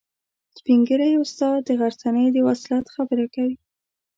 سپین ږیری استاد د غرڅنۍ د وصلت خبره کوي.